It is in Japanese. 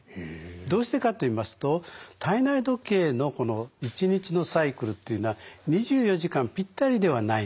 どうしてかといいますと体内時計のこの一日のサイクルっていうのは２４時間ぴったりではないんですね。